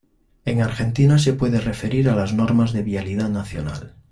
En Argentina se puede referir a las normas de Vialidad Nacional.